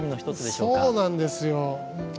そうなんですよ。